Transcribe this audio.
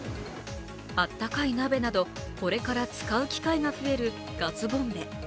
あったかい鍋などこれから使う機会が増えるガスボンベ。